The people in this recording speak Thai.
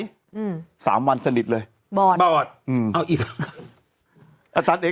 อืมสามวันสนิทเลยบอดอืมเอาอีกตาข้างหนึ่ง